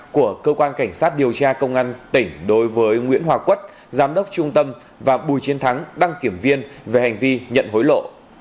của cơ quan cảnh sát điều tra công an tỉnh đối với nguyễn hòa quất giám đốc trung tâm và bùi chiến thắng đăng kiểm viên về hành vi nhận hối lộ